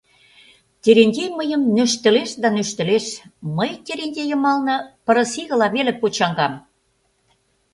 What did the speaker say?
Терентей мыйым нӧштылеш да нӧштылеш, мый Терентей йымалне пырысигыла веле почаҥам.